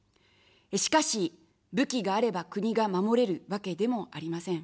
しかし、武器があれば国が守れるわけでもありません。